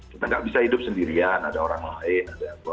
kita gak bisa hidup sendirian ada orang lain